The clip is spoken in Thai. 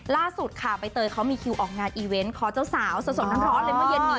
ล่าสุดค่ะใบเตยเขามีคิวออกงานอีเวนต์ขอเจ้าสาวสดร้อนเลยเมื่อเย็นนี้